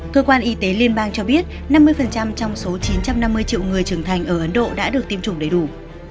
cơ quan y tế liên bang cho biết năm mươi trong số chín trăm năm mươi triệu người trưởng thành ở ấn độ đã được tiêm chủng đầy đủ